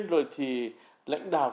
rồi thì lãnh đạo